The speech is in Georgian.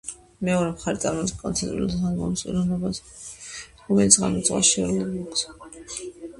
მეორე მხარე წარმოადგენს კონცეპტუალურ ალბომს, პიროვნებაზე, რომელიც ღამით ზღვაში ეულად მოგზაურობს.